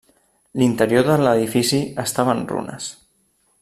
L'interior de l'edifici estava en runes.